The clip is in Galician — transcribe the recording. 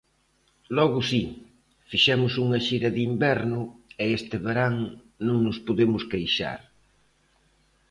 Logo si, fixemos unha xira de inverno e este verán non nos podemos queixar.